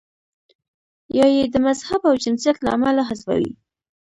یا یې د مذهب او جنسیت له امله حذفوي.